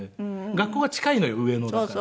学校が近いのよ上野だから。